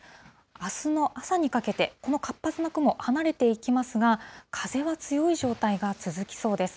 あすの朝にかけて、この活発な雲、離れていきますが、風は強い状態が続きそうです。